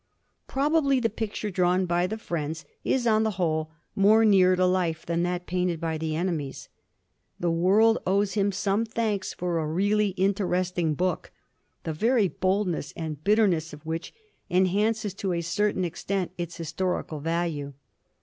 Probably the picture drawn by the friends is on the whole more near to life than that painted by the enemies. The' world owes him some thanks for a really interesting book, the very boldness and bitterness of which enhance to a certain extent its historical value.